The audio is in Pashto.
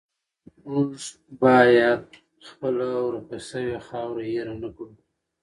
موږ باید خپله ورکه شوې خاوره هیره نه کړو.